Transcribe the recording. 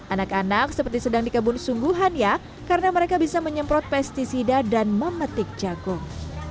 anak anak seperti sedang di kebun sungguhan ya karena mereka bisa menyemprot pesticida dan memetik jagung